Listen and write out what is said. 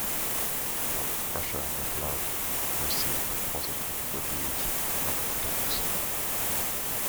"From Russia With Love" received positive reviews from critics.